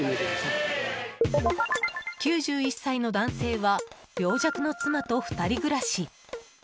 ９１歳の男性は病弱の妻と２人暮らし。